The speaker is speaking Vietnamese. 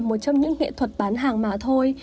một trong những nghệ thuật bán hàng mạ thôi